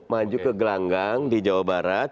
maju ke gelanggang di jawa barat